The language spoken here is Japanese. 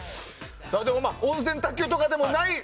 でも、温泉卓球とかでもない。